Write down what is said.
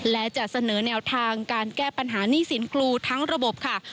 และจะเสนอแนวทางการแก้ปัญหาหนี้สินครูทั้งระบบค่ะ